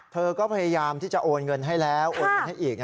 เธอก็พยายามที่จะโอนเงินให้แล้วโอนเงินให้อีก